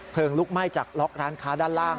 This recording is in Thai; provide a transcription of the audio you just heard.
ลุกไหม้จากล็อกร้านค้าด้านล่าง